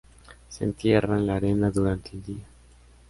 Se entierra en la arena durante el día.